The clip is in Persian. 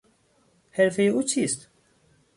حرفهی او چیست؟